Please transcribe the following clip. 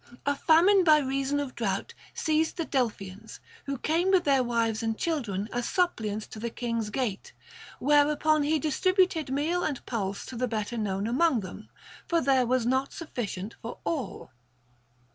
A famine by reason of drought seized the Del phians, who came with their wives and children as sup pliants to the king's gate, whereupon he distributed meal and pulse to the better known among them, for there was not sufficient for all.